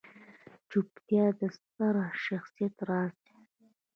چوپتیا، د ستر شخصیت راز دی.